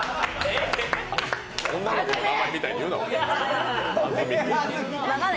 女の子名前みたいに言うな。